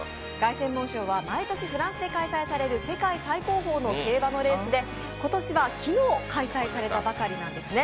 凱旋門賞は毎年フランスで開催される世界最高峰の競馬のレースで、今年は昨日開催されたばかりなんですね。